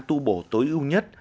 tu bổ tối ưu nhất